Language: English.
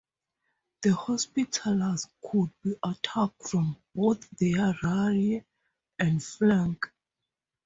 The Hospitallers could be attacked from both their rear and flank.